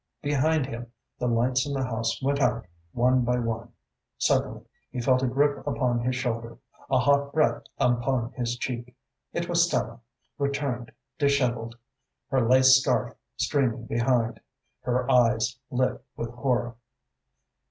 Behind him, the lights in the house went out, one by one. Suddenly he felt a grip upon his shoulder, a hot breath upon his cheek. It was Stella, returned dishevelled, her lace scarf streaming behind, her eyes lit with horror.